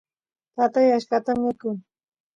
tatay achkata mikun